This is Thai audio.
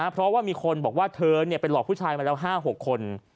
เพราะว่ามีคนบอกว่าเธอไปหลอกผู้ชายมาแล้ว๕๖คน